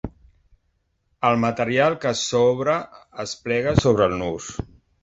El material que sobra es plega sobre el nus.